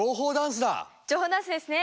情報ダンスですね！